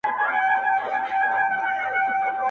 زه هم خطا وتمه.